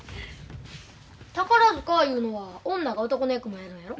宝塚いうのは女が男の役もやるんやろ？